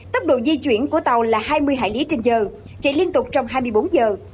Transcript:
tốc độ di chuyển của tàu là hai mươi hải lý trên giờ chạy liên tục trong hai mươi bốn giờ